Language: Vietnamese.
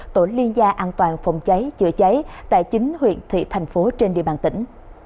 tổ liên gia an toàn phòng cháy chữa cháy tại chính huyện thị thành phố trên địa bàn tỉnh